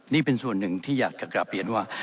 นี่เป็นส่วนหนึ่งที่อยากจะกลับเรียนว่า